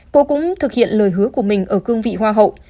cô cũng thực hiện lời hứa của mình ở cương vị hoa hậu